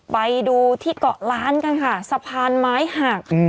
ไปดูที่เกาะล้านกันค่ะสะพานไม้หัก